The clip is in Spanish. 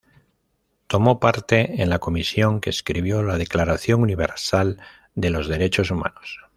Tomó parte en la comisión que escribió la Declaración Universal de los Derechos Humanos.